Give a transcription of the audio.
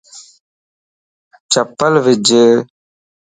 چپل وج